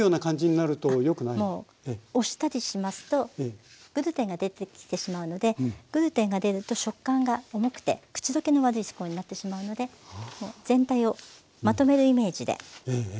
もう押したりしますとグルテンが出てきてしまうのでグルテンが出ると食感が重くて口溶けの悪いスコーンになってしまうので全体をまとめるイメージで。